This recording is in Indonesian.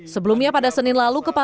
sebelumnya pada senin lalu